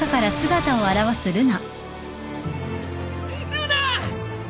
ルナ！